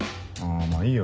まぁいいよ